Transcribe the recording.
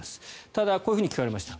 ただこういうふうに聞かれました。